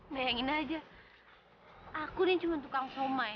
bayangin aja aku nih cuma tukang somai